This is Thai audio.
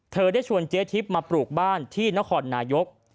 ได้ชวนเจ๊ทิพย์มาปลูกบ้านที่นครนายก